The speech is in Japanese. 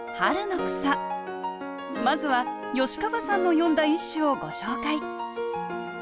まずは吉川さんの詠んだ一首をご紹介